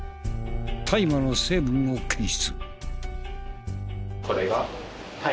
大麻の成分を検出。